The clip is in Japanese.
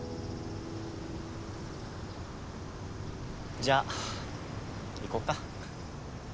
じゃあ行こっか。